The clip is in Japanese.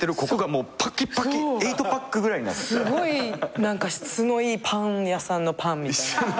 すごい質のいいパン屋さんのパンみたいな。